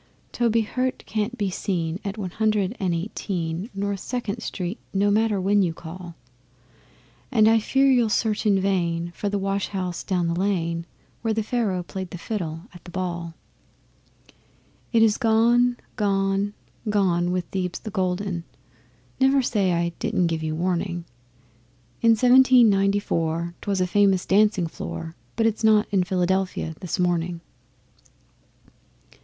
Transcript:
Toby Hirte can't be seen at One Hundred and Eighteen, North Second Street no matter when you call; And I fear you'll search in vain for the wash house down the lane Where Pharaoh played the fiddle at the ball. It is gone, gone, gone with Thebes the Golden (Never say I didn't give you warning). In Seventeen Ninety four 'twas a famous dancing floor But it's not in Philadelphia this morning.